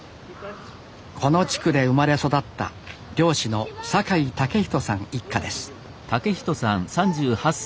この地区で生まれ育った漁師の坂井健人さん一家です